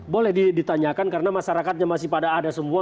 boleh ditanyakan karena masyarakatnya masih pada ada semua